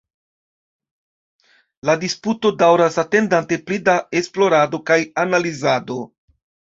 La disputo daŭras, atendante pli da esplorado kaj analizado.